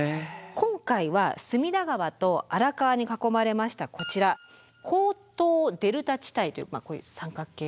今回は隅田川と荒川に囲まれましたこちら江東デルタ地帯というこういう三角形。